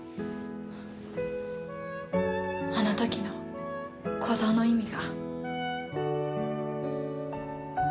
あの時の鼓動の意味が。